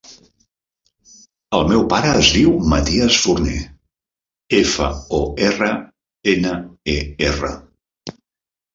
El meu pare es diu Matías Forner: efa, o, erra, ena, e, erra.